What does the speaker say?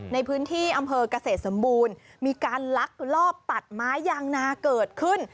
ในพื้นที่อำเภอกเกษตรสมบูรณ์มีการลักลอบตัดไม้ยางนาเกิดขึ้น